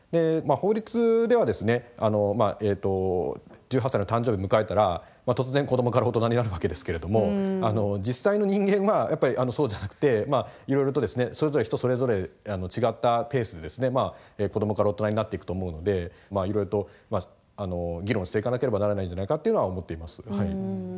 まあ法律ではですね１８歳の誕生日迎えたら突然子どもから大人になるわけですけれども実際の人間はやっぱりそうじゃなくてまあいろいろとですね人それぞれ違ったペースで子どもから大人になっていくと思うのでまあいろいろと議論していかなければならないんじゃないかっていうのは思っています。